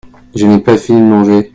Je n'ai pas fini de manger.